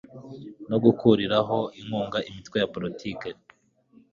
no gukuriraho inkunga imitwe ya politiki